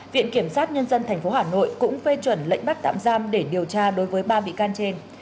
viện kiểm sát nhân dân tp hà nội cũng phê chuẩn lệnh bắt tạm giam để điều tra đối với ba bị can trên